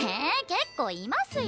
結構いますよ。